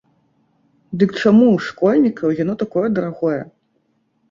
Дык чаму ў школьнікаў яно такое дарагое?